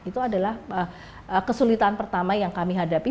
itu adalah kesulitan pertama yang kami hadapi